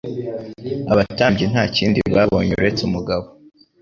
abatambyi nta kindi babonye uretse umugabo